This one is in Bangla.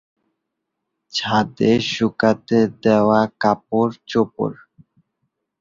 তার একক গান "বনবন"-এর মাধ্যমে তিনি আন্তর্জাতিকভাবে পরিচিতি অর্জন করেছেন।